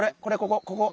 ここここ！